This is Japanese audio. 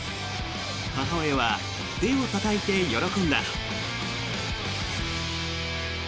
母親は手をたたいて喜んだ。